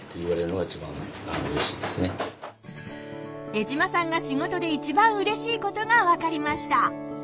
江島さんが仕事で一番うれしいことがわかりました。